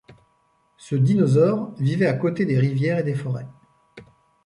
Ce dinosaure vivait à côté des rivières et des forêts.